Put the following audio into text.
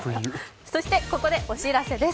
そしてここでお知らせです。